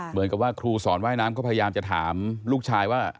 เหมือนกับว่าครูสอนว่ายน้ำก็พยายามจะถามลูกชายว่า